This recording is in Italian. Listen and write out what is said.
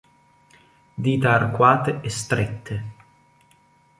Dita arcuate e strette.